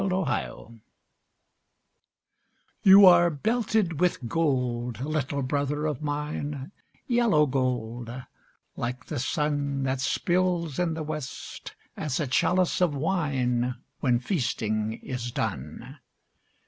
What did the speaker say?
THE HOMING BEE You are belted with gold, little brother of mine, Yellow gold, like the sun That spills in the west, as a chalice of wine When feasting is done.